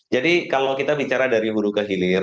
jadi kalau kita bicara dari hulu kehilir